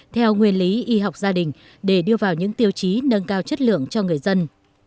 theo nguyên lý y học gia đình để đưa vào những tiêu chí nâng cao chất lượng cho người dân